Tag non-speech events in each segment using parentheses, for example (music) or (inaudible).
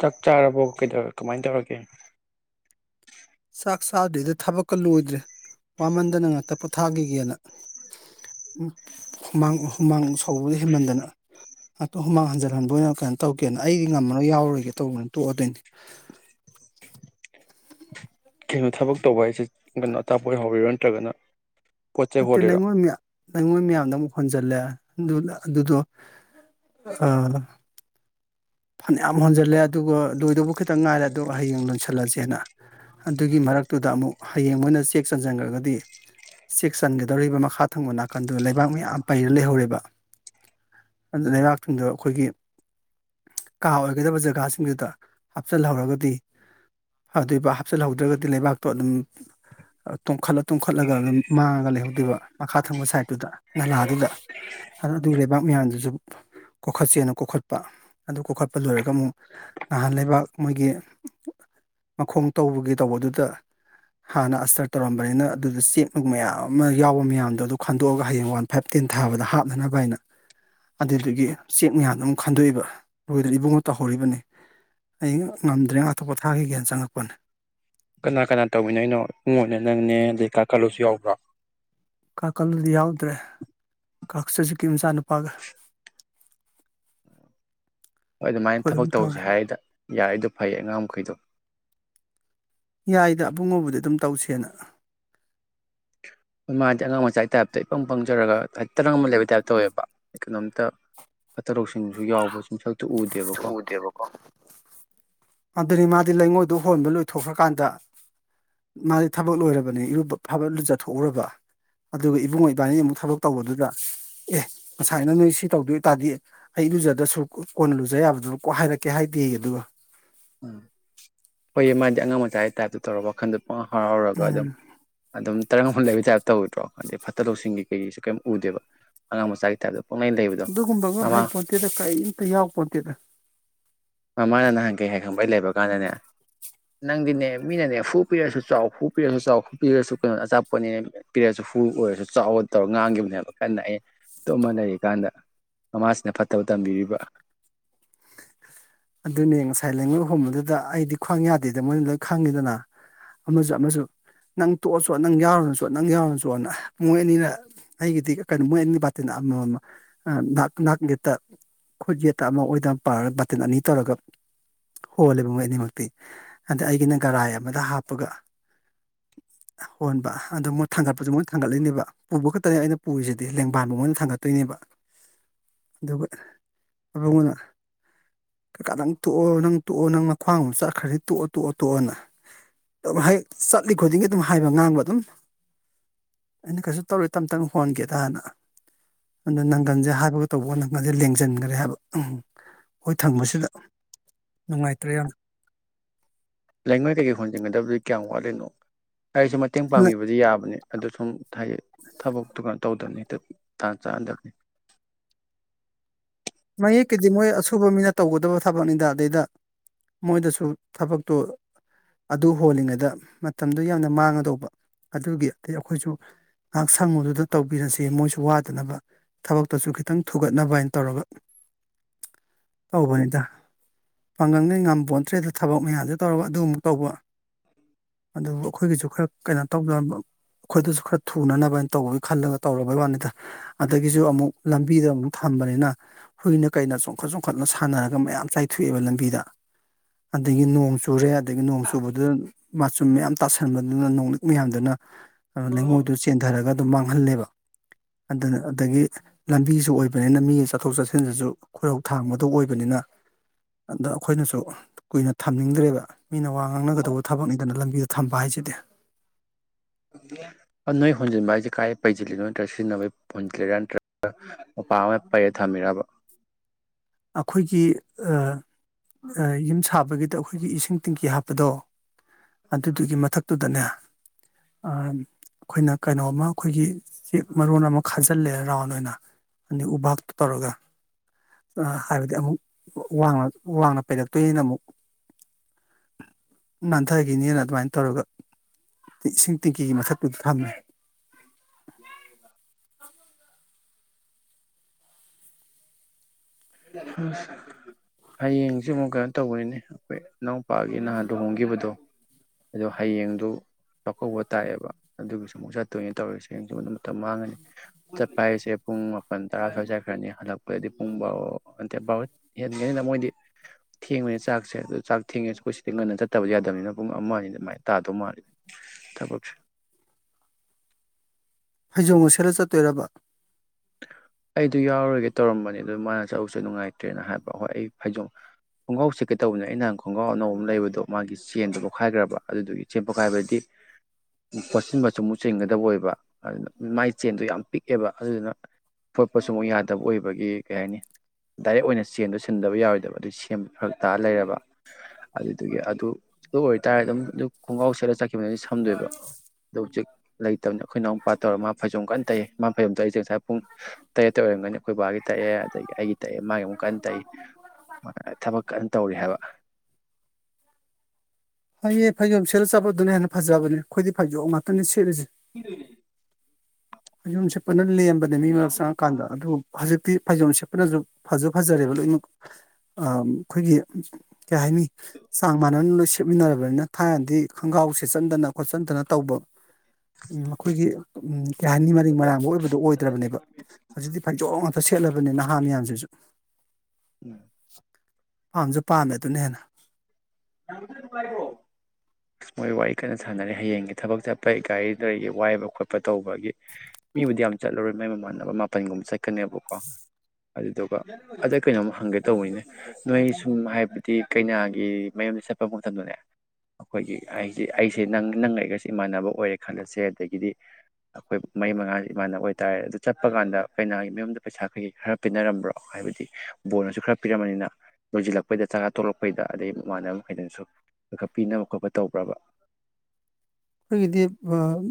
ꯆꯥꯛ ꯆꯥꯔꯕꯣ ꯀꯩꯗꯧꯔ ꯀꯃꯥꯏꯅ ꯇꯧꯔꯒꯦ ꯆꯥꯛ ꯆꯥꯗ꯭ꯔꯤꯗ ꯊꯕꯛꯀ ꯂꯣꯏꯗ꯭ꯔꯤ ꯋꯥꯃꯟꯗꯅ ꯉꯥꯛꯇ ꯄꯣꯊꯥꯈꯤꯒꯦꯅ ꯍꯨꯃꯥꯡ ꯍꯨꯃꯥꯡ ꯁꯧꯕꯗ ꯍꯦꯟꯃꯟꯗꯅ ꯉꯥꯛꯇ ꯍꯨꯃꯥꯡ ꯍꯟꯖꯟꯍꯟꯕꯣꯏꯅ ꯀꯩꯅꯣ ꯇꯧꯒꯦꯅ ꯑꯩꯗꯤ ꯉꯝꯃꯔꯣꯏ ꯌꯥꯎꯔꯔꯣꯏꯒꯦ ꯇꯧꯕꯅ ꯇꯣꯛꯑꯗꯣꯏꯅꯦ꯫ ꯀꯩꯅꯣ ꯊꯕꯛ ꯇꯧꯕ ꯍꯥꯏꯁꯦ ꯀꯩꯅꯣ ꯑꯇꯥꯄꯣꯠ ꯍꯧꯔꯤꯔꯣ꯫ ꯅꯠꯇ꯭ꯔꯒꯅ꯫ ꯄꯣꯠ ꯆꯩ ꯅꯠꯇꯦ ꯍꯣꯜꯂꯤꯔꯣ ꯂꯩꯉꯣꯏ ꯃ ꯂꯩꯉꯣꯏ ꯃꯌꯥꯝꯗ ꯑꯃꯨꯛ꯫ ꯍꯣꯟꯖꯜꯂꯦ ꯑꯗꯨꯗꯣ ꯑ꯫ ꯐꯅꯌꯥꯝ ꯍꯣꯟꯖꯜꯂꯦ ꯑꯗꯨꯒ ꯂꯣꯏꯗꯧꯕ ꯈꯤꯇꯪ ꯉꯥꯏꯔꯦ ꯑꯗꯣ ꯍꯌꯦꯡ ꯂꯣꯟꯁꯤꯜꯂꯁꯦꯅ ꯑꯗꯨꯒꯤ ꯃꯔꯛꯇꯨꯗ ꯑꯃꯨꯛ ꯍꯌꯦꯡ ꯃꯣꯏꯅ ꯆꯦꯛ ꯆꯟꯁꯟꯈ꯭ꯔꯒꯗꯤ ꯆꯦꯛ ꯆꯟꯒꯗꯧꯔꯤꯕ ꯃꯈꯥ ꯊꯪꯕ ꯅꯥꯀꯟꯗꯨ ꯂꯩꯕꯥꯛ ꯃꯌꯥꯝ ꯄꯩꯔ ꯂꯩꯍꯧꯔꯦꯕ ꯑꯗꯨ ꯂꯩꯕꯥꯛꯁꯤꯡꯗꯣ ꯑꯩꯈꯣꯏꯒꯤ꯫ ꯀꯥ ꯑꯣꯏꯒꯗꯕ ꯖꯒꯥꯁꯤꯡꯗꯨꯗ ꯍꯥꯞꯆꯜꯍꯧꯔꯒꯗꯤ ꯐꯗꯣꯏꯕ ꯍꯥꯞꯆꯤꯜꯍꯧꯗ꯭ꯔꯒꯗꯤ ꯂꯩꯕꯥꯛꯇꯣ ꯑꯗꯨꯝ ꯇꯣꯡꯈꯠꯂ ꯇꯣꯡꯈꯠꯂꯒ ꯑꯗꯨꯝ ꯃꯥꯡꯉꯒ ꯂꯩꯍꯧꯗꯣꯏꯕ ꯃꯈꯥ ꯊꯪꯕ ꯁꯥꯏꯠꯇꯨꯗ ꯅꯂꯥꯗꯨꯗ ꯑꯗꯨꯒꯤ ꯂꯩꯕꯥꯛ ꯃꯌꯥꯝꯗꯨꯁꯨ ꯀꯣꯈꯠꯁꯦꯅ ꯀꯣꯈꯠꯄ꯫ ꯑꯗꯨ ꯀꯣꯛꯈꯠꯄ ꯂꯣꯏꯔꯒ ꯑꯃꯨꯛ ꯅꯍꯥꯟ ꯂꯩꯕꯥꯛ ꯃꯣꯏꯒꯤ ꯃꯈꯣꯡ ꯇꯧꯕꯒꯤ ꯇꯧꯕꯗꯨꯗ ꯍꯥꯟꯅ ꯑꯁꯇꯔ ꯇꯧꯔꯝꯕꯅꯤꯅ ꯑꯗꯨꯗ ꯆꯦꯛꯅꯨꯛ ꯃꯌꯥꯝ ꯑꯃ ꯌꯥꯎꯕ ꯃꯌꯥꯝꯗꯣ ꯑꯗꯨ ꯈꯟꯗꯣꯛꯑꯒ ꯍꯌꯦꯡ ꯋꯥꯟ ꯐꯥꯏꯚ ꯇꯦꯟ ꯊꯥꯕꯗ ꯍꯥꯞꯅꯅꯕ ꯍꯥꯏꯅ ꯑꯗꯨꯗꯨꯒꯤ ꯆꯦꯛ ꯃꯌꯥꯝꯗꯣ ꯑꯃꯨꯛ ꯈꯟꯗꯣꯛꯏꯕ꯫ ꯂꯣꯏꯗ꯭ꯔꯤ ꯏꯕꯨꯡꯉꯣ ꯇꯧꯍꯧꯔꯤꯕꯅꯤ ꯑꯩ ꯉꯝꯗ꯭ꯔꯦ ꯉꯍꯥꯛꯇ ꯄꯣꯊꯥꯈꯤꯒꯦꯅ ꯆꯪꯉꯛꯄꯅꯦ꯫ ꯀꯅꯥ ꯀꯅꯥ ꯇꯧꯃꯤꯟꯅꯩꯅꯣ ꯏꯉꯣꯅꯦ ꯅꯪꯅꯦ ꯑꯗꯩ ꯀꯥ ꯀꯥꯂꯨꯁꯨ ꯌꯥꯎꯕ꯭ꯔꯣ꯫ ꯀꯥꯀꯟꯗꯨꯗꯤ ꯌꯥꯎꯗ꯭ꯔꯦ ꯀꯛꯁꯨꯖꯤꯛꯀꯤ ꯃꯆꯥꯅꯨꯄꯥꯒ꯫ ꯍꯣꯏ ꯑꯗꯨꯃꯥꯏꯅ ꯑꯩꯈꯣꯏ ꯑꯗꯨꯝ ꯊꯕꯛ ꯇꯧꯔꯦ ꯇꯧꯁꯦ ꯍꯥꯏꯔꯤꯗ꯫ ꯌꯥꯔꯛꯗꯣ ꯐꯩꯌꯦ ꯑꯉꯥꯡ ꯃꯈꯩꯗꯣ꯫ ꯌꯥꯏꯗ ꯑꯕꯨꯡꯉꯣꯕꯨꯗ ꯑꯗꯨꯝ ꯇꯧꯁꯦꯅ꯫ ꯍꯣꯏ ꯃꯥꯗꯤ ꯑꯉꯥꯡ ꯃꯆꯥꯒꯤ ꯇꯥꯏꯞꯇ ꯏ ꯄꯪ ꯄꯪꯖꯔꯒ ꯍꯥꯏ ꯇꯔꯪ ꯑꯃ ꯂꯩꯕ ꯇꯥꯏꯞꯇ ꯇꯧꯋꯦꯕ ꯀꯩꯅꯣꯝꯇ ꯇꯔꯨꯛꯁꯤꯡꯁꯨ ꯌꯥꯎꯕ (unintelligible) ꯎꯗꯦꯕꯀꯣ ꯑꯗꯅꯤ ꯃꯥꯗꯤ ꯂꯩꯉꯣꯏ꯫ ꯗꯨ ꯍꯣꯟꯕ ꯂꯣꯏꯊꯣꯛꯈ꯭ꯔꯀꯥꯟꯗ ꯃꯥꯗꯤ ꯊꯕꯛ ꯂꯣꯏꯔꯕꯅꯤ ꯐꯕ ꯂꯨꯖꯊꯣꯛꯎꯔꯕ ꯑꯗꯨꯒ ꯏꯕꯨꯉꯣ ꯏꯕꯥꯅꯤ ꯑꯃꯨꯛ ꯊꯕꯛ ꯇꯧꯕꯗꯨꯗ ꯑꯦ ꯉꯁꯥꯏꯅ ꯅꯣꯏ ꯁꯤ ꯇꯧꯗꯣꯏ ꯇꯥꯔꯗꯤ ꯑꯩ ꯏꯂꯨꯖꯗꯁꯨ꯫ ꯀꯣꯟꯅ ꯂꯨꯖ ꯌꯥꯕꯗꯨꯅ ꯀꯣꯛ ꯍꯥꯏꯔꯛꯀꯦ ꯍꯥꯏꯗꯦꯌꯦ ꯑꯗꯨꯒ꯫ ꯍꯣꯏꯌꯦ ꯃꯥꯗꯤ ꯑꯉꯥꯡ ꯃꯆꯥꯒꯤ ꯇꯥꯏꯞꯇ ꯇꯧꯔ ꯋꯥꯈꯟꯗ꯫ ꯄꯪ ꯍꯔꯥꯎꯔꯒ ꯑꯗꯨꯝ ꯎꯝ ꯑꯗꯨꯝ ꯇꯔꯪ ꯑꯃ ꯂꯩꯕꯩ ꯇꯥꯏꯞ ꯇꯧꯗ꯭ꯔꯣ꯫ ꯑꯗꯩ ꯐꯠꯇ ꯂꯧꯁꯤꯡꯒꯤ ꯀꯩꯒꯤꯁꯨ ꯀꯩꯝ ꯎꯗꯦꯕ ꯑꯉꯥꯡ ꯃꯆꯥꯒꯤ ꯇꯥꯏꯞꯇ꯫ ꯄꯪꯂꯩ ꯂꯩꯕꯗꯣ ꯑꯗꯨꯒꯨꯝꯕꯒ ꯃꯃꯥ ꯍꯩꯄꯣꯟꯇꯦꯗ ꯀꯩꯝꯇ ꯌꯥꯎꯄꯣꯟꯇꯦꯗ꯫ ꯃꯃꯥꯅ ꯅꯍꯥꯟ ꯀꯩ ꯍꯥꯏ ꯈꯪꯕꯩ ꯂꯩꯕ ꯀꯥꯟꯗꯅꯦ ꯅꯪꯗꯤꯅꯦ ꯃꯤꯅꯅꯦ ꯐꯨ ꯄꯤꯔꯁꯨ ꯆꯥꯎ ꯍꯨ ꯄꯤꯔꯁꯨ ꯆꯥꯎ ꯍꯨ ꯄꯤꯔꯁꯨ ꯀꯩꯅꯣ ꯑꯆꯥꯄꯣꯠꯅꯦ ꯄꯤꯔꯁꯨ ꯍꯨ ꯑꯣꯏꯔꯁꯨ ꯆꯥꯎ ꯇꯧꯔꯒ ꯉꯥꯡꯈꯤꯕꯅꯦꯕ ꯀꯟꯅ ꯑꯩ ꯇꯨꯃ ꯂꯩꯔꯤꯀꯥꯟꯗ ꯃꯃꯥꯁꯤꯅ ꯐꯠꯇꯕ ꯇꯝꯕꯤꯔꯤꯕ꯫ ꯑꯗꯨꯅꯦ ꯉꯁꯥꯏ ꯂꯉꯣꯏ ꯍꯣꯡꯕꯗꯨꯗ ꯑꯩꯗꯤ ꯈ꯭ꯋꯥꯡ ꯌꯥꯗꯦꯗ ꯃꯣꯏꯅ ꯂꯣꯏ ꯈꯪꯉꯦꯗꯅ ꯑꯃꯁꯨ ꯑꯃꯁꯨ ꯅꯪ ꯇꯣꯛꯑꯣꯆꯣ ꯅꯪ ꯌꯥꯎꯔꯨꯅꯣꯆꯣ ꯅꯪ ꯌꯥꯎꯔꯅꯨꯆꯣꯅ ꯃꯣꯏ ꯑꯅꯤꯅ ꯑꯩꯒꯤꯗꯤ ꯀꯩꯅꯣ ꯃꯣꯏ ꯑꯅꯤ ꯕꯥꯇꯟ ꯑꯃꯃꯝ ꯑ ꯅꯥꯛ ꯅꯥꯛ ꯌꯦꯠꯇ ꯈꯨꯠ ꯌꯦꯠꯇ ꯑꯃ ꯑꯣꯏꯗ ꯑꯝ ꯇꯧꯔꯒ ꯕꯥꯇꯟ ꯑꯅꯤ꯫ ꯇꯧꯔꯒ ꯍꯣꯜꯂꯦꯕ ꯃꯣꯏ ꯑꯅꯤꯃꯛꯇꯤ ꯑꯗ ꯑꯩꯒꯤꯅ ꯒꯔꯥꯏ ꯑꯃꯗ ꯍꯥꯞꯄꯒ ꯍꯣꯟꯕ ꯑꯗꯣ ꯃꯣꯏ ꯊꯥꯡꯒꯠꯄꯁꯨ ꯃꯣꯏꯅ ꯊꯥꯡꯒꯠꯂꯤꯅꯦꯕ ꯄꯨꯕ ꯈꯛꯇꯅꯦ ꯑꯩꯅ ꯄꯨꯔꯤꯁꯤꯗꯤ ꯂꯦꯡꯕꯥꯟ ꯃꯣꯏꯅ ꯊꯥꯡꯒꯠꯇꯣꯏꯅꯦꯕ ꯑꯗꯨꯒ ꯏꯕꯨꯡꯉꯣꯅ꯫ ꯀꯀꯥ ꯅꯪ ꯇꯣꯛꯑꯣ ꯅꯪ ꯇꯣꯛꯑꯣ ꯅꯪ ꯅꯈ꯭ꯋꯥꯡ ꯑꯃꯨꯛ ꯆꯠꯈ꯭ꯔꯅꯤ ꯇꯣꯛꯑꯣ ꯇꯣꯛꯑꯣ ꯇꯣꯛꯑꯣꯅ ꯑꯗꯨꯝ ꯍꯩ ꯆꯠꯂꯤ ꯈꯨꯗꯤꯡꯒꯤ ꯑꯗꯨꯝ ꯍꯥꯏꯕ ꯉꯥꯡꯕ ꯑꯗꯨꯝ ꯑꯩꯅ ꯀꯩꯁꯨ ꯇꯧꯔꯣꯏ ꯇꯞ ꯇꯞꯅ ꯍꯣꯟꯒꯦꯗꯅ ꯑꯗꯨ ꯅꯪꯒꯜꯁꯦ ꯍꯥꯏꯕꯒ ꯇꯧꯕꯒ ꯅꯪꯒꯜꯁꯦ ꯂꯦꯡꯁꯟꯈ꯭ꯔꯦ ꯍꯥꯏꯕ ꯑꯣꯏ꯫ ꯊꯪꯁꯤꯗ ꯅꯨꯡꯉꯥꯏꯇ꯭ꯔꯦ ꯌꯥꯝ꯫ ꯂꯩꯉꯣꯏ ꯀꯩꯀꯩ ꯍꯣꯟꯖꯤꯟꯒꯗꯕꯗꯤ ꯀꯌꯥꯝ ꯋꯥꯠꯂꯤꯅꯣ꯫ ꯑꯩꯁꯨ ꯃꯇꯦꯡ ꯄꯥꯡꯕꯤꯕꯗꯤ ꯌꯥꯕꯅꯦ ꯑꯗꯨ ꯁꯨꯝ ꯍꯥꯏꯗꯤ ꯊꯕꯛꯇꯣ ꯀꯩꯅꯣ ꯇꯧꯗꯕꯅꯤ꯫ ꯇꯥꯟ ꯆꯥꯗꯕꯅꯤ꯫ ꯃꯌꯦꯛꯀꯤꯗꯤ ꯃꯣꯏ ꯑꯁꯨꯕ ꯃꯤꯅ ꯇꯧꯒꯗꯕ ꯊꯕꯛꯅꯤꯗ ꯑꯗꯩꯗ ꯃꯣꯏꯗꯁꯨ ꯊꯕꯛꯇꯣ ꯑꯗꯨ ꯍꯣꯜꯂꯤꯉꯩꯗ ꯃꯇꯝꯗꯨ ꯌꯥꯝꯅ ꯃꯥꯡꯒꯗꯧꯕ ꯑꯗꯨꯒꯤ ꯑꯗꯩ ꯑꯩꯈꯣꯏꯁꯨ ꯉꯍꯥꯛ ꯁꯪꯕꯗꯨꯗ ꯇꯧꯕꯤꯔꯁꯦ ꯃꯣꯏꯁꯨ ꯋꯥꯗꯅꯕ ꯊꯕꯛꯇꯨꯁꯨ ꯈꯤꯇꯪ ꯊꯨꯒꯠꯅꯕ ꯍꯥꯏꯅ ꯇꯧꯔꯒ꯫ ꯇꯧꯕꯅꯤꯗ ꯄꯥꯡꯒꯪꯅ ꯉꯝꯄꯣꯟꯇ꯭ꯔꯦꯗ ꯊꯕꯛ ꯃꯌꯥꯝꯁꯦ ꯇꯧꯔꯒ ꯑꯗꯨ ꯑꯃꯨꯛ ꯇꯧꯕ ꯑꯗꯨꯕꯨ ꯑꯩꯈꯣꯏꯒꯤꯁꯨ ꯈꯔ ꯀꯩꯅꯣ ꯇꯧꯗꯕ ꯑꯩꯈꯣꯏꯗꯁꯨ ꯈꯔ ꯊꯨꯅꯅꯕꯅ ꯇꯧꯕꯒꯤ ꯈꯜꯂꯒ ꯇꯧꯔꯕꯩ ꯋꯥꯅꯤꯗ ꯑꯗꯒꯤꯁꯨ ꯑꯃꯨꯛ ꯂꯝꯕꯤꯗ ꯑꯃꯨꯛ ꯊꯝꯕꯅꯤꯅ꯫ ꯍꯨꯏꯅ ꯀꯩꯅ ꯆꯣꯡꯈꯠ ꯆꯣꯡꯈꯠꯂ ꯁꯥꯟꯅꯔꯒ ꯃꯌꯥꯝ ꯆꯥꯏꯊꯣꯛꯑꯦꯕ ꯂꯝꯕꯤꯗ ꯑꯗꯒꯤ ꯅꯣꯡ ꯆꯨꯔꯦ꯫ ꯑꯗꯒꯤ ꯅꯣꯡ ꯆꯨꯕꯗꯨꯅ꯫ ꯃꯆꯨꯝ ꯃꯌꯥꯝ ꯇꯥꯁꯟꯕꯗꯨꯅ ꯅꯣꯡꯂꯤꯛ ꯃꯌꯥꯝꯗꯨꯅ꯫ ꯂꯩꯉꯣꯏꯗꯨ ꯆꯦꯟꯊꯔꯒ꯫ ꯑꯗꯨꯝ ꯃꯥꯡꯍꯜꯂꯦꯕ ꯑꯗꯨꯅ ꯑꯗꯒꯤ ꯂꯝꯕꯤꯁꯨ ꯑꯣꯏꯕꯅꯤꯅ ꯃꯤ꯫ ꯆꯠꯊꯣꯛ ꯆꯠꯁꯤꯟꯗꯁꯨ ꯈꯨꯔꯧ ꯊꯥꯡꯕꯗꯣ ꯑꯣꯏꯕꯅꯤꯅ ꯑꯗ ꯑꯩꯈꯣꯏꯅꯁꯨ ꯀꯨꯏꯅ ꯊꯝꯅꯤꯡꯗ꯭ꯔꯦꯕ꯫ ꯃꯤꯅ ꯋꯥ ꯉꯥꯡꯅꯒꯗꯧꯕ ꯊꯕꯛꯅꯤꯗꯅ ꯂꯝꯕꯤꯗ꯫ ꯊꯝꯕ ꯍꯥꯏꯖꯤꯗꯤ꯫ ꯅꯣꯏ ꯍꯨꯣꯟꯖꯤꯟꯕ ꯍꯥꯏꯁꯦ ꯀꯥꯏ ꯄꯩꯁꯤꯜꯂꯤꯅꯣ ꯅꯠꯇ꯭ꯔꯒ ꯁꯤꯖꯤꯟꯅꯕꯩ ꯍꯨꯖꯤꯜꯂꯤꯔꯥ ꯅꯠꯇ꯭ꯔꯒ ꯃꯄꯥ ꯑꯃꯅ ꯄꯩꯔ ꯊꯝꯃꯤꯔꯕ ꯑꯩꯈꯣꯏꯒꯤ ꯌꯨꯝ ꯁꯥꯕꯒꯤꯗ ꯑꯩꯈꯣꯏꯒꯤ ꯏꯁꯤꯡ ꯇꯤꯡꯀꯤ ꯍꯥꯞꯄꯗꯣ ꯑꯗꯨꯗꯨꯒꯤ ꯃꯊꯛꯇꯨꯗꯅꯦ ꯑꯩꯈꯣꯏꯅ ꯀꯩꯅꯣꯝꯃ ꯑꯩꯈꯣꯏꯒꯤ ꯆꯦꯛ ꯃꯔꯣꯟ ꯑꯃ ꯈꯥꯖꯤꯜꯂꯦ ꯔꯥꯎꯟ ꯑꯣꯏꯅ ꯑꯗꯩ ꯎꯕꯥꯛꯇ ꯇꯧꯔꯒ ꯍꯥꯏꯕꯗꯤ ꯑꯃꯨꯛꯅ ꯋꯥꯡꯅ ꯄꯩꯔꯛꯇꯣꯏꯅ ꯑꯃꯨꯛ ꯅꯥꯟꯊꯈꯤꯅꯦꯅ ꯑꯗꯨꯃꯥꯏꯅ ꯇꯧꯔꯒ ꯏꯁꯤꯡ ꯇꯦꯡꯀꯤꯒꯤ ꯃꯊꯛꯇꯨꯗ ꯊꯝꯃꯦ (unintelligible) ꯑꯁ ꯍꯌꯦꯡꯁꯦ ꯑꯃꯨꯛ ꯀꯩꯅꯣ ꯇꯧꯧꯕꯅꯤꯅꯦ ꯑꯩꯈꯣꯏ ꯏꯅꯥꯎꯄꯥꯒꯤ ꯅꯍꯥꯟ ꯂꯨꯍꯣꯡꯈꯤꯕꯗꯣ ꯑꯗꯣ ꯍꯌꯦꯡꯗꯨ ꯆꯥꯛꯀꯧꯕ ꯇꯥꯛꯑꯦꯕ ꯑꯗꯨꯒꯤꯁꯨ ꯑꯃꯨꯛ ꯆꯠꯇꯣꯏꯅꯤ ꯇꯧꯔꯤꯁ ꯍꯌꯦꯡꯁ ꯃ ꯃꯇꯝ ꯃꯥꯡꯉꯅꯤ ꯆꯠꯄ ꯍꯥꯏꯁꯦ ꯄꯨꯡ ꯃꯥꯄꯟ ꯇꯔꯥ ꯁ꯭ꯋꯥꯏ ꯆꯥꯏꯈ꯭ꯔꯅꯤ ꯍꯜꯂꯛꯄꯗꯗꯤ ꯄꯨꯡ ꯕꯥꯔꯣ ꯑꯟꯦ ꯍꯦꯟꯅ ꯍꯦꯟꯅ ꯃꯣꯏꯗꯤ ꯊꯦꯡꯕꯅꯦ ꯆꯥꯛꯁꯦ ꯑꯗꯨ ꯆꯥꯛ ꯊꯦꯡꯉꯦꯁꯨ ꯑꯩꯈꯣꯏ ꯁꯤꯗ ꯉꯟꯅ ꯆꯠꯇꯕꯗꯤ ꯌꯥꯗꯕꯅꯤꯅ ꯄꯨꯡ ꯑꯃ ꯑꯅꯤ ꯑꯗꯨꯃꯥꯏꯅ ꯇꯥꯗꯧ ꯃꯥꯜꯂꯤ ꯊꯕꯛꯁꯦ ꯐꯩꯖꯣꯝꯒ ꯁꯦꯠꯂꯒ ꯆꯠꯇꯣꯏꯔꯕ ꯑꯩꯗꯣ ꯌꯥꯎꯔꯣꯏꯒꯦ ꯇꯧꯔꯝꯕꯅꯤ ꯑꯗꯨ ꯃꯥꯅ ꯁꯔꯨꯛꯁꯦ ꯅꯨꯡꯉꯥꯏꯇ꯭ꯔꯦꯅ ꯍꯥꯏꯕ ꯍꯣꯏ ꯑꯩ ꯐꯩꯖꯣꯝ ꯈꯣꯡꯒ꯭ꯔꯥꯎ ꯆꯦꯀꯩ ꯇꯧꯕꯅꯦ ꯑꯩ ꯅꯍꯥꯟ ꯈꯣꯡꯒ꯭ꯔꯥꯎ ꯑꯅꯧꯕ ꯑꯃ ꯂꯩꯕꯗꯣ ꯃꯥꯒꯤ ꯆꯦꯟꯗꯣ ꯄꯣꯛꯈꯥꯏꯈ꯭ꯔꯕ ꯑꯗꯨꯗꯨꯒꯤ ꯆꯦꯟ ꯄꯣꯈꯥꯏꯕꯗꯤ ꯄꯣꯠꯆꯤꯟ ꯃꯆꯨꯝ ꯃꯨꯛ ꯆꯤꯡꯒꯗꯕ ꯑꯣꯏꯕ ꯑꯗꯨꯅ ꯃꯥꯏ ꯆꯦꯟꯗꯣ ꯌꯥꯝ ꯄꯤꯛꯑꯦꯕ ꯑꯗꯨꯗꯨꯅ ꯐꯣꯠꯄꯁꯨ ꯑꯃꯨꯛ ꯌꯥꯗꯕ ꯑꯣꯏꯕꯒꯤ ꯀꯩ ꯍꯥꯏꯅꯤ ꯗꯥꯏꯔꯦꯛ ꯑꯣꯏꯅ ꯆꯦꯟꯗꯣ ꯁꯤꯟꯗꯕ ꯌꯥꯔꯣꯏꯗꯕ ꯑꯗꯨ ꯁꯦꯝꯕ ꯐꯔꯛ ꯇꯥꯔ ꯂꯩꯔꯕ ꯑꯗꯨꯗꯨꯒꯤ ꯑꯗꯨ ꯑꯗꯨ ꯑꯣꯏꯇꯥꯥꯔꯦ ꯑꯗꯨꯝ ꯑꯗꯨ ꯈꯣꯡꯒꯥꯎ ꯁꯦꯠꯂ ꯆꯠꯈꯤꯕꯅꯤ ꯑꯗꯨꯗꯤ ꯁꯝꯗꯣꯏꯕ ꯑꯗꯨ ꯍꯧꯖꯤꯛ ꯂꯩꯇꯕꯅ ꯑꯩꯈꯣꯏꯅꯎꯄꯥꯥ ꯇꯧꯔꯒ ꯃꯥ ꯐꯩꯖꯣꯝ ꯀꯟꯅ ꯇꯩꯌꯦ ꯃꯥ ꯐꯖꯣꯝ ꯇꯩꯏꯁꯦ ꯉꯁꯥꯏ ꯄꯨꯡ ꯇꯔꯦꯠꯇ ꯑꯣꯏꯔꯝꯒꯅꯤ ꯑꯩꯈꯣꯏ ꯕꯥꯒꯤ ꯇꯛꯑꯦ ꯑꯗꯒꯤ ꯑꯩꯒꯤ ꯇꯛꯑꯦ ꯃꯥꯒꯤ ꯑꯃꯨꯛ ꯀꯟꯅ ꯇꯛꯏ ꯊꯕꯛ ꯀꯟꯅ ꯇꯧꯔꯤ ꯍꯥꯏꯕ ꯑꯩꯌꯦ ꯐꯩꯖꯣꯝ ꯁꯦꯠꯂ ꯆꯠꯄꯗꯨꯅ ꯍꯦꯟꯅ ꯐꯖꯕꯅꯦ ꯑꯩꯈꯣꯏꯗꯤ ꯐꯩꯖꯣꯝ ꯉꯥꯛꯇꯅꯦ ꯁꯦꯠꯂꯤꯁꯤ (unintelligible) (unintelligible) ꯃꯤ ꯃꯔꯛ ꯆꯪꯉꯀꯥꯟꯗ ꯑꯗꯨꯕꯨ ꯍꯧꯖꯤꯛ ꯐꯩꯖꯣꯝ ꯁꯦꯠꯄꯅꯁꯨ ꯐꯖ ꯐꯖꯔꯦꯕ ꯂꯣꯏꯅꯃꯛ ꯑꯩꯈꯣꯏꯒꯤ ꯀꯩ ꯍꯥꯏꯅꯤ ꯆꯥꯡ ꯃꯥꯟꯅꯅ ꯂꯣꯏ ꯁꯦꯠꯃꯤꯟꯅꯔꯕꯅꯤꯅ ꯊꯥꯏꯅꯗꯤ ꯈꯣꯡꯒ꯭ꯔꯥꯎ ꯁꯦꯠꯆꯟꯗꯅ ꯈꯣꯠꯆꯟꯗꯅ ꯇꯧꯕ ꯃꯈꯣꯏꯒꯤ ꯍꯅꯤ ꯃꯔꯤꯛ ꯃꯔꯥꯡꯕ ꯑꯣꯏꯕꯗꯣ ꯑꯣꯏꯗ꯭ꯔꯕꯅꯦꯕ ꯍꯧꯖꯤꯛꯇꯤ ꯐꯩꯖꯣꯝ ꯑꯇ ꯁꯦꯠꯂꯕꯅꯤ ꯅꯍꯥ ꯃꯌꯥꯝꯁꯤꯁꯨ (unintelligible) ꯄꯥꯝꯁꯨ ꯄꯥꯝꯃꯦ ꯑꯗꯨꯅ ꯍꯦꯟꯅ ꯑꯁ ꯃꯣꯏ ꯋꯥꯔꯤ ꯀꯟꯅ ꯁꯥꯟꯅꯔꯦ ꯍꯌꯦꯡꯒꯤ ꯊꯕꯛ ꯆꯠꯄꯒꯤ ꯒꯥꯔꯤꯗꯒꯤ ꯋꯥꯏꯕ ꯈꯣꯠꯄ ꯇꯧꯕꯒꯤ ꯃꯤꯕꯨꯗꯤ ꯌꯥꯝ ꯆꯠꯂꯨꯔꯣꯏ ꯃꯩ ꯃꯃꯥꯟꯅꯕ ꯃꯥꯄꯜꯒꯨꯝꯕ ꯆꯠꯀꯅꯦꯕꯀꯣ ꯑꯗꯨꯗꯨꯒ ꯑꯗ ꯀꯩꯅꯣꯝ ꯍꯪꯒꯦ ꯇꯧꯕꯋꯤꯅꯦ ꯅꯣꯏ ꯁꯨꯝ ꯍꯥꯏꯕꯗꯤ ꯀꯩꯅꯥꯒꯤ ꯃꯌꯨꯝꯗ ꯆꯠꯄ ꯃꯇꯝꯗꯅꯦ ꯑꯩꯈꯣꯏꯒꯤ ꯑꯩꯁꯦ ꯑꯩꯁꯦ ꯅꯪ ꯅꯪꯒ ꯑꯩꯒꯁꯦ ꯏꯃꯥꯟꯅꯕ ꯑꯣꯏꯔꯦ ꯈꯜꯂꯁꯦ ꯑꯗꯒꯤꯗꯤ ꯑꯩꯈꯣꯏ ꯃꯔꯤ ꯃꯉꯥꯁꯦ ꯏꯃꯥꯟꯅꯕ ꯑꯣꯏꯇꯥꯔꯦ ꯑꯗꯨ ꯆꯠꯄ ꯀꯥꯟꯗ ꯑꯩꯈꯣꯏꯩꯅ ꯃꯌꯨꯝꯗ ꯄꯩꯁꯥ ꯀꯩꯀꯩ ꯈꯔ ꯄꯤꯅꯔꯝꯕ꯭ꯔꯣ ꯍꯥꯏꯕꯗꯤ ꯕꯣꯟꯅꯁꯨ ꯈꯔ ꯄꯤꯔꯃꯅꯤꯅ ꯂꯣꯏꯁꯤꯜꯂꯛꯄꯩꯗ ꯆꯥꯔꯥ ꯇꯣꯛꯂꯛꯄꯩꯗ ꯑꯗꯩ ꯃꯃꯥꯟꯅꯕ ꯃꯈꯩꯗꯪꯁꯨ ꯈꯔ ꯄꯤꯅꯕ ꯈꯣꯠꯄ ꯇꯧꯕ꯭ꯔꯕ ꯑꯩꯈꯣꯏꯒꯤꯗꯤ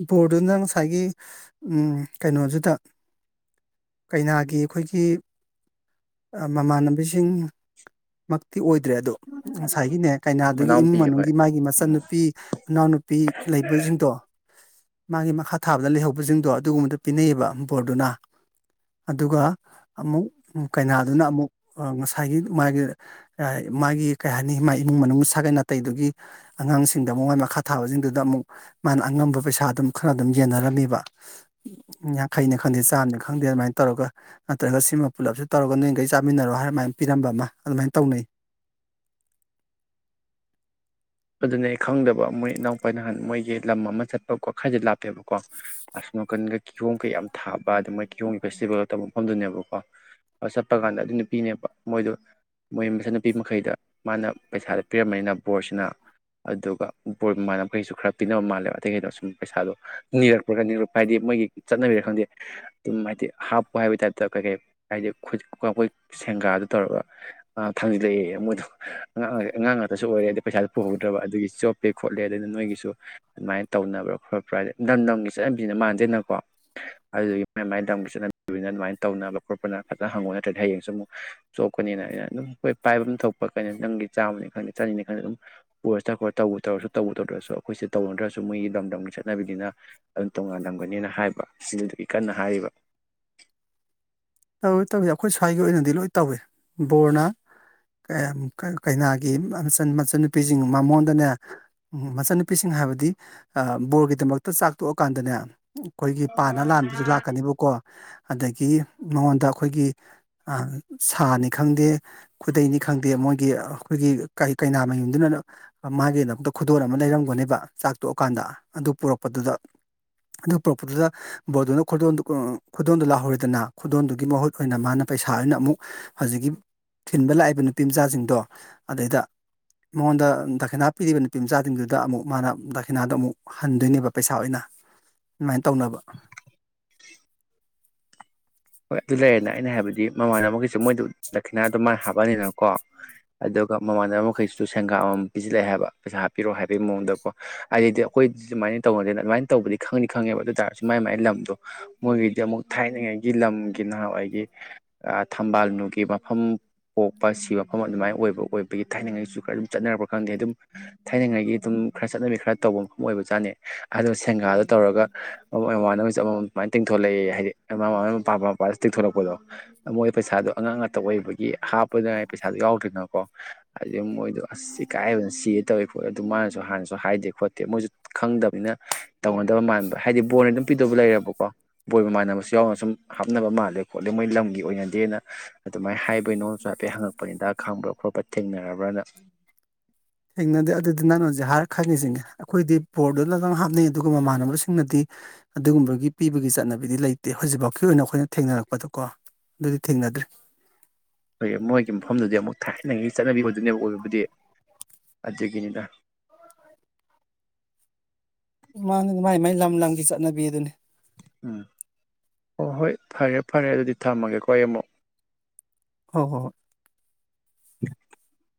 ꯕꯣꯔꯗꯨꯅ ꯉꯁꯥꯏꯒꯤ ꯀꯩꯅꯣꯗꯨꯗ ꯀꯩꯅꯥꯒꯤ ꯑꯩꯈꯣꯏꯒꯤ ꯃꯃꯥꯟꯅꯕꯤꯁꯤꯡ ꯃꯛꯇꯤ ꯑꯣꯏ ꯑꯣꯏꯗ꯭ꯔꯦ ꯑꯗꯣ ꯉꯁꯥꯏꯒꯤꯅꯦ ꯀꯩꯅꯥꯗꯨꯒꯤ ꯏꯃꯨꯡ ꯃꯅꯥꯎꯄꯤ ꯍꯣꯏ ꯃꯅꯨꯡꯒꯤ ꯃꯥꯒꯤ ꯎꯝ ꯃꯆꯟꯅꯨꯄꯤ ꯃꯅꯥꯎꯅꯨꯄꯤ ꯂꯩꯗꯣ ꯃꯥꯒꯤ ꯃꯈ ꯊꯥꯕꯗ ꯂꯩꯍꯧꯕꯁꯤꯡꯗꯣ ꯑꯗꯨꯒꯨꯝꯕꯗꯨ ꯄꯤꯅꯩꯌꯦꯕ ꯕꯣꯔꯗꯨꯅ ꯑꯗꯨꯒ ꯑꯃꯨꯛ ꯀꯩꯅꯥꯗꯨꯅ ꯑꯃꯨꯛ ꯉꯁꯥꯏꯒꯤ ꯃꯥꯒꯤ ꯃꯥꯒꯤ ꯀꯩ ꯍꯥꯏꯅꯤ ꯃꯥꯒꯤ ꯏꯃꯨꯡ ꯃꯅꯨꯡ ꯁꯥꯒꯩ ꯅꯥꯇꯩꯗꯨꯒꯤ ꯑꯉꯥꯡꯁꯤꯡꯗ ꯑꯃꯛ ꯃꯈ ꯊꯥꯕ ꯗ ꯑꯃꯨꯛ ꯃꯥꯅ ꯑꯉꯝꯕ ꯄꯩꯁꯥ ꯑꯗꯨꯝ ꯈꯔ ꯑꯗꯨꯝ ꯌꯦꯟꯅꯔꯝꯃꯤꯕ ꯌꯥꯡꯈꯩꯅ ꯈꯪꯗꯦ ꯆꯥꯝꯅꯤ ꯈꯪꯗꯦ ꯑꯗꯨꯃꯥꯏꯅ ꯇꯧꯔꯒ ꯅꯠꯇ꯭ꯔꯒ ꯁꯤꯃ ꯄꯨꯜꯂꯞꯁ ꯇꯧꯔꯒ ꯅꯣꯏꯈꯩ ꯆꯥꯃꯤꯟꯅꯔꯣ ꯍꯥꯏꯔꯃꯥꯏꯅ ꯄꯤꯔꯝꯕ ꯑꯃ ꯑꯗꯨꯃꯥꯏꯅ ꯇꯧꯅꯩ ꯑꯗꯨꯅꯦ ꯑꯩ ꯈꯪꯗꯕ ꯃꯣꯏ ꯏꯅꯥꯎꯄꯥ ꯅꯍꯥꯟ ꯃꯣꯏꯒꯤ ꯂꯝ ꯑꯃ ꯆꯠꯄꯀꯣ ꯈꯔꯁꯦ ꯂꯥꯞꯄꯦꯕꯀꯣ ꯑꯁꯅꯥꯀꯟꯒ ꯀꯤꯍꯣꯝꯒ ꯌꯥꯝ ꯊꯥꯕ ꯑꯗꯨ ꯃꯣꯏ ꯀꯤꯍꯣꯝꯒꯤ ꯐꯦꯁꯇꯤꯚꯦꯜꯒ ꯇꯧꯕ ꯃꯐꯝꯗꯨꯅꯦꯕꯀꯣ ꯑꯗꯨ ꯆꯠꯄ ꯀꯥꯟꯗ ꯑꯗꯨ ꯅꯨꯄꯤꯅꯦꯕ ꯃꯣꯏꯗꯣ ꯃꯣꯏ ꯃꯆꯥꯟꯅꯨꯄꯤ ꯃꯈꯩꯗ ꯃꯥꯅ ꯄꯩꯁꯥꯗ ꯄꯤꯔꯝꯕꯅꯤꯅ ꯕꯣꯔꯁꯤꯅ ꯑꯗꯨꯒ ꯕꯣꯔ ꯃꯃꯥꯟꯅꯕꯈꯩꯁꯨ ꯈꯔ ꯄꯤꯅꯕ ꯃꯥꯜꯂꯦꯕ ꯑꯇꯩ ꯀꯩꯅꯣ ꯁꯨꯝ ꯄꯩꯁꯥꯗꯣ ꯅꯤꯔꯛꯄ꯭ꯔ ꯈ ꯅꯤꯛꯄ ꯍꯥꯏꯗꯤ ꯃꯣꯏꯒꯤ ꯆꯠꯅꯕꯤꯔꯥ ꯈꯪꯗꯦ ꯑꯗꯨꯝ ꯍꯥꯏꯗꯤ ꯍꯥꯞꯄꯨ ꯍꯥꯏꯕꯒꯤ ꯇꯥꯏꯞꯇ ꯀꯩꯀꯩ ꯍꯥꯏꯗꯤ ꯑꯩꯣꯏ ꯁꯦꯡꯒꯥꯗꯨ ꯇꯧꯔꯒ ꯊꯥꯡꯖꯤꯜꯂꯛꯑꯦ ꯃꯣꯏꯗꯣ ꯑꯥꯡ ꯑꯉꯥꯡ ꯉꯥꯛꯇꯁꯨ ꯑꯣꯏꯔꯦ ꯍꯥꯏꯗꯤ ꯄꯩꯁꯥꯗ ꯄꯨꯍꯧꯗ꯭ꯔꯕ ꯑꯗꯨꯒꯤ ꯆꯣꯞꯄꯦ ꯈꯣꯠꯂꯦ ꯑꯗꯨꯅ ꯅꯣꯏꯒꯤꯁꯨ ꯑꯗꯨꯃꯥꯏꯅ ꯇꯧꯅꯕ꯭ꯔꯥ ꯈꯣꯠꯄ꯭ꯔꯥ ꯍꯥꯏ ꯂꯝ ꯂꯝꯒꯤ ꯆꯠꯅꯕꯤꯁꯤꯅ ꯃꯥꯟꯗꯦꯅꯀꯣ ꯑꯗꯨꯒꯤ ꯃ ꯃꯥꯏ ꯂꯝꯒꯤ ꯆꯠꯅꯕꯤꯅꯤꯅ ꯑꯗꯨꯃꯥꯏꯅ ꯇꯧꯅꯕ ꯈꯣꯠꯄꯅ ꯐꯖꯅ ꯍꯪꯉꯣ ꯅꯠꯇ꯭ꯔꯗꯤ ꯍꯌꯦꯡꯁꯨ ꯑꯃꯨꯛ ꯆꯣꯞꯀꯅꯤꯅ ꯑꯩꯅ ꯑꯗꯨꯝ ꯑꯩꯈꯣꯏ ꯄꯥꯏꯕ ꯑꯃ ꯊꯣꯛꯄ ꯀꯩꯅꯣ ꯅ ꯂꯝꯒꯤ ꯆꯥꯝꯃꯅꯤ ꯈꯪꯗꯦ ꯆꯅꯤꯅꯤ ꯈꯪꯗꯦ ꯑꯗꯨꯝ ꯄꯨꯔꯁ ꯇꯈ꯭ꯔ ꯇꯧꯕ ꯇꯧꯔꯁꯨ ꯇꯧꯕ ꯇꯧꯗ꯭ꯔꯁꯨ ꯑꯩꯈꯣꯏꯁꯦ ꯇꯧꯅꯗ꯭ꯔꯁꯨ ꯃꯣꯏꯒꯤ ꯂꯝꯗꯝꯒꯤ ꯆꯠꯅꯕꯤꯅꯤꯅ ꯑꯗꯨꯝ ꯇꯣꯉꯥꯜꯂꯝꯒꯅꯦꯅ ꯍꯥꯏꯕ ꯁꯤꯒꯤ ꯀꯟꯅ ꯍꯥꯏꯔꯤꯕ ꯇꯧꯋꯤ ꯇꯧꯏꯤ ꯑꯩꯈꯣꯏ ꯁ꯭ꯋꯥꯏꯒꯤ ꯑꯣꯏꯅꯗꯤ ꯂꯣꯏ ꯇꯧꯏ ꯕꯣꯔꯅ ꯀꯩꯅꯥꯒꯤ ꯃꯆꯟꯅꯨꯄꯤꯁꯤꯡ ꯃꯃꯣꯟꯗꯅꯦ ꯃꯆꯟꯅꯨꯄꯤꯁꯤꯡ ꯍꯥꯏꯕꯗꯤ ꯕꯣꯔꯒꯤꯗꯃꯛꯇ ꯆꯥꯛ ꯇꯣꯛꯑꯀꯥꯟꯗꯅꯦ ꯑꯩꯈꯣꯏꯒꯤ ꯄꯥꯟꯅ ꯂꯥꯟꯕꯁꯨ ꯂꯥꯛꯀꯅꯦꯕꯀꯣ ꯑꯗꯒꯤ ꯃꯉꯣꯟꯗ ꯑꯩꯈꯣꯏꯒꯤ ꯁꯥꯅꯤ ꯈꯪꯗꯦ ꯈꯨꯗꯩꯅꯤ ꯈꯪꯗꯦ ꯃꯣꯏꯒꯤ ꯑꯩꯈꯣꯏꯒꯤ ꯀꯩꯅꯥ ꯃꯌꯨꯝꯗꯨꯅ ꯃꯥꯒꯤꯗꯃꯛꯇ ꯈꯨꯗꯣꯟꯜ ꯑꯃ ꯂꯩꯔꯝꯒꯅꯦꯕ ꯆꯥꯛ ꯇꯣꯛꯑꯀꯥꯟꯗ ꯑꯗꯨ ꯄꯨꯔꯛꯄꯗꯨꯗ ꯑꯗꯨ ꯄꯨꯔꯛꯄꯗꯨꯗ ꯕꯣꯔꯗꯨꯅ ꯈꯨꯗꯣꯟꯜꯗꯨ ꯂꯥꯛꯍꯧꯔꯤꯗꯅ ꯈꯨꯗꯣꯟꯜꯗꯨꯒꯤ ꯃꯍꯨꯠ ꯑꯣꯏꯅ ꯃꯥꯅ ꯄꯩꯁꯥ ꯑꯣꯏꯅ ꯑꯃꯨꯛ ꯍꯧꯖꯤꯛꯀꯤ ꯊꯤꯟꯕ ꯂꯥꯛꯏꯕ ꯅꯨꯄꯤ ꯃꯆꯥꯁꯤꯡꯗꯣ ꯑꯗꯩꯗ ꯃꯉꯣꯟꯗ ꯗꯈꯅꯥ ꯄꯤꯔꯤꯕ ꯅꯨꯄꯤ ꯃꯆꯥꯁꯤꯡꯗꯨꯗ ꯑꯃꯨꯛ ꯃꯥꯅ ꯗꯈꯅꯥꯗꯣ ꯑꯃꯨꯛ ꯍꯟꯗꯣꯏꯅꯦꯕ ꯄꯩꯁꯥ ꯑꯣꯏꯅ ꯑꯗꯨꯃꯥꯏꯅ ꯇꯧꯅꯕ ꯍꯣꯏ ꯑꯗꯨ ꯂꯩꯔꯦꯅ ꯑꯩꯅ ꯍꯥꯏꯕꯗꯤ ꯃꯃꯥꯟꯅꯕ ꯃꯈꯩꯁꯨ ꯃꯣꯏꯗ ꯂꯛꯈꯤꯅꯥꯗꯣ ꯃꯥꯅ ꯍꯥꯞꯄꯅꯤꯅꯀꯣ ꯑꯗꯨꯒ ꯃꯃꯥꯟꯅꯕ ꯃꯈꯩꯁꯤꯁꯨ ꯁꯦꯡꯒꯥꯥꯞ ꯑꯃ ꯄꯤꯁꯤꯜꯂꯛꯑꯦ ꯍꯥꯏꯕ ꯄꯩꯁꯥ ꯍꯥꯞꯄꯤꯔꯛꯣ ꯍꯥꯏꯕꯒꯤ ꯃꯑꯣꯡꯗꯀꯣ ꯑꯗꯨꯩꯗꯤ ꯑꯩꯈꯣꯏꯗꯤ ꯁꯨꯃꯥꯏꯅ ꯇꯧꯅꯗꯅ ꯑꯗꯨꯃꯥꯏꯅ ꯇꯧꯕꯗꯤ ꯈꯪꯅꯤ ꯈꯪꯉꯦꯕ ꯑꯗꯨ ꯑꯣꯏ ꯇꯥꯔꯁꯨ ꯃꯥꯏ ꯃꯥꯏ ꯂꯝꯗꯣ ꯃꯣꯏꯒꯤꯗꯤ ꯑꯃꯨꯛ ꯊꯥꯏꯅꯉꯥꯏ ꯒꯤ ꯂꯝꯒꯤ ꯅꯍꯥꯟꯋꯥꯏꯒꯤ ꯊꯝꯕꯥꯜꯅꯨꯒꯤ ꯃꯐꯝ ꯄꯣꯛꯄ ꯁꯤ ꯃꯐꯝ ꯑꯗꯨꯃꯥꯏꯅ ꯑꯣꯏꯕ ꯑꯣꯏꯕꯒꯤ ꯊꯥꯏꯅꯉꯥꯏꯁꯨ ꯈꯔ ꯑꯗꯨꯝ ꯆꯠꯅꯔꯛꯄ ꯈꯪꯗꯦ ꯑꯗꯨꯝ ꯊꯥꯏꯅꯉꯥꯏꯒꯤ ꯑꯗꯨꯝ ꯈꯔ ꯆꯠꯅꯕꯤ ꯈꯔ ꯇꯧꯕ ꯃꯐꯝ ꯑꯣꯏꯕꯖꯥꯠꯅꯩ ꯑꯗꯨ ꯁꯦꯟꯒꯥꯗ ꯇꯧꯔꯒ ꯃꯃꯥꯟꯅꯕ ꯑꯃꯃꯝ ꯁꯨꯃꯥꯏꯅ ꯇꯤꯡꯊꯣꯂꯛꯑꯦ ꯍꯥꯏꯗꯤ ꯃꯃ ꯃꯥꯟꯅꯕ ꯃꯄꯥ ꯃꯄꯥꯗ ꯇꯦꯛꯊꯣꯔꯛꯄꯗꯣ ꯃꯣꯏ ꯄꯩꯁꯥꯗꯣ ꯑꯉꯥꯡ ꯉꯥꯛꯇ ꯑꯣꯏꯕꯒꯤ ꯍꯥꯞꯄꯗꯨꯅꯥꯏ ꯄꯩꯁꯥꯗꯣ ꯌꯥꯎꯗ꯭ꯔꯤꯅꯀꯣ ꯍꯥꯏꯗꯤ ꯃꯣꯏꯗꯣ ꯑꯁ ꯏꯀꯥꯏꯕꯅ ꯁꯤꯌꯦ ꯇꯧꯏꯤ ꯈꯣꯠꯂꯤ ꯑꯗꯨ ꯃꯥꯅꯁꯨ ꯍꯥꯟꯅꯁꯨ ꯍꯥꯏꯗꯦ ꯈꯣꯠꯇꯦ ꯃꯣꯏꯁꯨ ꯈꯪꯗꯕꯅꯤꯅ ꯇꯧꯅꯗꯕ ꯃꯥꯟꯕ ꯍꯥꯏꯗꯤ ꯕꯣꯟꯅ ꯑꯗꯨꯝ ꯄꯤꯗꯕ ꯂꯩꯔꯕꯀꯣ ꯀꯣ ꯕꯣꯏꯕ ꯃꯥꯟꯅꯕꯁꯨ ꯌꯥꯎꯅ ꯁꯨꯝ ꯍꯥꯞꯅꯕ ꯃꯥꯜꯂꯦ ꯈꯣꯠꯂꯦ ꯃꯣꯏ ꯂꯝꯒꯤ ꯑꯣꯏꯅꯗꯦꯅ ꯑꯗꯨꯃꯥꯏꯅ ꯍꯥꯏꯕꯩ ꯅꯣꯡꯁꯨ ꯍꯥꯏꯐꯦꯠ ꯍꯪꯉꯛꯄ ꯍꯤꯗꯥꯛ ꯈꯥꯡꯕ ꯈꯣꯠꯄ ꯊꯦꯡꯅꯔꯕ꯭ꯔꯅ ꯊꯦꯡꯅꯗꯦ ꯑꯗꯨꯗꯤ ꯅꯪꯅꯣꯟꯁꯦ ꯍꯥꯏꯔ ꯈꯪꯉꯁꯤꯡꯒꯦ ꯑꯩꯈꯣꯏꯗꯤ ꯕꯣꯔꯗꯨꯅ ꯑꯗꯨꯝ ꯍꯥꯞꯅꯩ ꯑꯗꯨꯒ ꯃꯃꯥꯟꯅꯕꯁꯤꯡꯅꯗꯤ ꯑꯗꯨꯒꯨꯝꯕꯒꯤ ꯄꯤꯕꯒꯤ ꯆꯠꯅꯕꯤꯗꯤ ꯂꯩꯇꯦ ꯍꯧꯖꯤꯛꯐꯥꯎꯀꯤ ꯑꯣꯏꯅ ꯑꯩꯈꯣꯏꯅ ꯊꯦꯡꯅꯔꯛꯄꯗꯀꯣ ꯑꯗꯨꯗꯤ ꯊꯦꯡꯅꯗ꯭ꯔꯤ ꯍꯣꯏ ꯃꯣꯏꯒꯤ ꯃꯐꯝꯗꯨꯗꯤ ꯑꯃꯨꯛ ꯊꯥꯏ ꯅꯩꯒꯤ ꯆꯠꯅꯕꯤ ꯆꯠꯅꯕꯤ ꯑꯣꯏꯗꯣꯏꯃꯦꯕꯥ ꯑꯣꯏꯕꯕꯨꯗꯤ ꯑꯗꯨꯒꯤꯅꯤꯅ ꯃꯥꯟꯅꯦ ꯃꯥꯏ ꯃꯥꯏ ꯂꯝ ꯂꯝꯒꯤ ꯆꯠꯅꯕꯤ ꯑꯗꯨꯅꯤ ꯎꯝ ꯍꯣ ꯍꯣꯏ ꯐꯔꯦ ꯐꯔꯦ ꯑꯗꯨꯗꯤ ꯊꯝꯃꯒꯦꯀꯣ ꯑꯩ ꯑꯃꯨꯛ ꯍꯣ ꯍꯣ ꯍꯣ (inaudible)